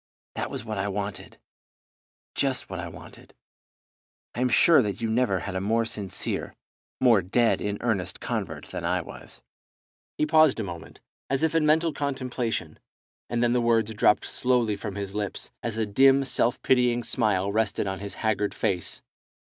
That was what I wanted, just what I wanted. I am sure that you never had a more sincere, more dead in earnest convert than I was." He paused a moment, as if in mental contemplation, and then the words dropped slowly from his lips, as a dim self pitying smile rested on his haggard face.